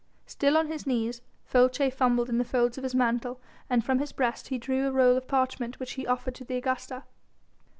Still on his knees, Folces fumbled in the folds of his mantle and from his breast he drew a roll of parchment which he offered to the Augusta.